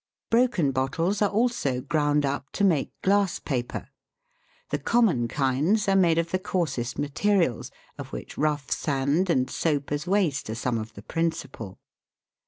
Broken bottles are also ground up to make glass paper. The common kinds are made of the coarsest materials, of which rough sand and soapers' waste are some of the principal.